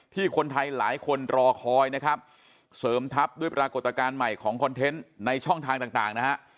ที่คนไทยหลายคนรอคอยนะครับเสริมทัพด้วยปรากฏการณ์ใหม่ของคอนเทนต์ในช่องทางต่างนะฮะ